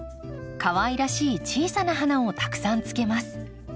かわいらしい小さな花をたくさんつけます。